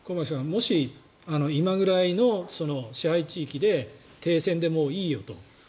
もし今ぐらいの支配地域で停戦で、もういいよと。